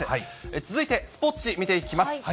続いて、スポーツ紙見ていきます。